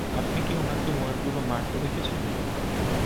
আপনি কী উনাকে ময়ূরগুলো মারতে দেখেছেন?